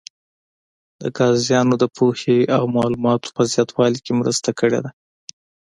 د قاضیانو د پوهې او معلوماتو په زیاتوالي کې مرسته کړې وه.